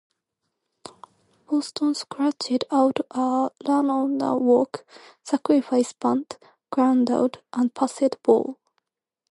Boston scratched out a run on a walk, sacrifice bunt, groundout and passed ball.